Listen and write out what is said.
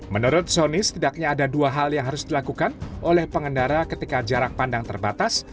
menurut soni setidaknya ada dua hal yang harus dilakukan oleh pengendara ketika jarak pandang terbatas